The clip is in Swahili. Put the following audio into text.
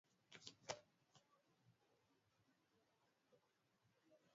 sasa ni namna gani ambavyo mamlaka itashirikiana na hii mifuko